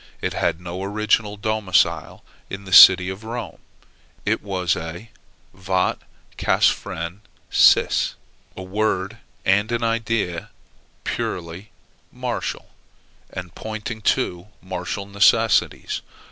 It had no original domicile in the city of Rome. It was a vot casfren sis, a word and an idea purely martial, and pointing to martial necessities.